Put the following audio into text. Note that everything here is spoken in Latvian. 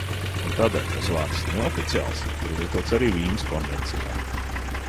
"Un tādēļ tas vārds "neoficiāls" ir lietots arī Vīnes konvencijā."